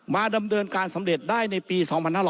ดำเนินการสำเร็จได้ในปี๒๕๖๐